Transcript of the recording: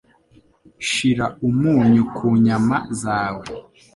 Shira umunyu ku nyama zawe.